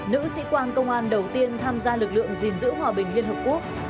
nữ sĩ quan công an đầu tiên tham gia lực lượng gìn giữ hòa bình liên hợp quốc